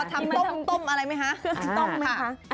เอามาทำต้มอะไรไหมคะ